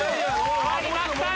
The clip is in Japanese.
変わりましたよ